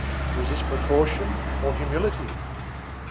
Was this precaution or humility?